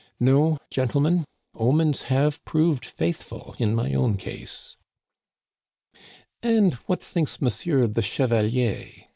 No, gentlemen ; omens have proved faithful in my own case." And what thinks Monsieur the Chevalier